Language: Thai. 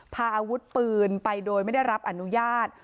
พาอาวุธปืนไปโดยไม่ได้รับอนุญาต